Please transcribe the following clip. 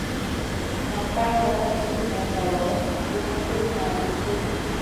Nan kal voo sùn ŋolo guʼ tuwmaʼ Zi sunu.